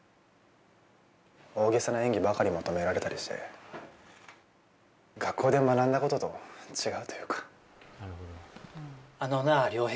大げさな演技ばかり求められたりして学校で学んだことと違うというかあのな亮平